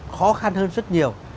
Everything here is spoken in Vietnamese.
khó khăn hơn rất nhiều